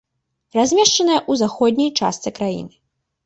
Размешчаная ў заходняй частцы краіны.